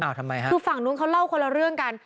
ทำไมฮะคือฝั่งนู้นเขาเล่าคนละเรื่องกัน